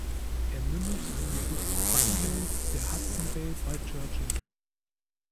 Er mündet in die Bucht Button Bay der Hudson Bay bei Churchill.